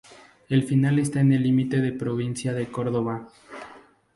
El final está en el límite de provincia de Córdoba.